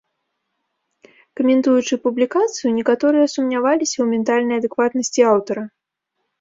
Каментуючы публікацыю, некаторыя сумняваліся ў ментальнай адэкватнасці аўтара.